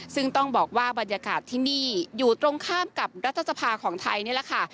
ซึ่งต้องบอกว่าบรรยากาศที่นี่อยู่ตรงข้ามกับรัฐสภาของไทยนี่แหละค่ะ